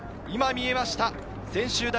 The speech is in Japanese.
今見えました。